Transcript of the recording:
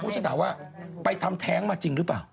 ฉันถามว่าไปทำแท้งมาจริงหรือเปล่า